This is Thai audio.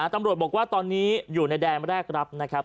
ตำรวจบอกว่าตอนนี้อยู่ในแดนแรกรับนะครับ